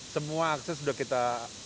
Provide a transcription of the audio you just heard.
semua akses udah kita